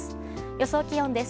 予想気温です。